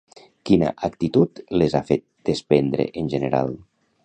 Quina actitud les han fet desprendre en general?